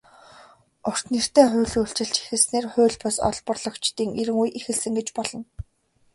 "Урт нэртэй хууль" үйлчилж эхэлснээр хууль бус олборлогчдын эрин үе эхэлсэн гэж болно.